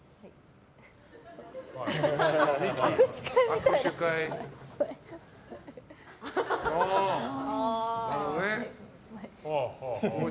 握手会みたい。